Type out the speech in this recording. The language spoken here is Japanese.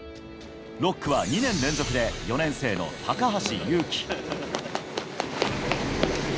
６区は２年連続で４年生の高橋勇輝。